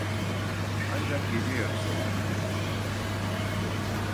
Ancak gece yarısı olabilirdi.